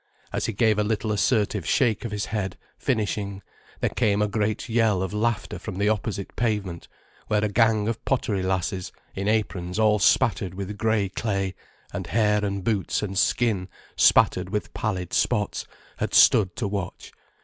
As he gave a little assertive shake of his head, finishing, there came a great yell of laughter from the opposite pavement, where a gang of pottery lasses, in aprons all spattered with grey clay, and hair and boots and skin spattered with pallid spots, had stood to watch.